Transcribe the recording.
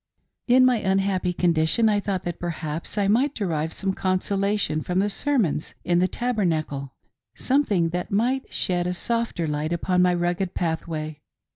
In my unhappy condition, I thought that perhaps I might derive some consolation from the sermons in the Tabernacle — something that might shed a softer light upon my rugged pathway.